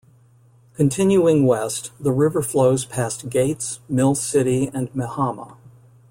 Continuing west, the river flows past Gates, Mill City and Mehama.